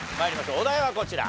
お題はこちら。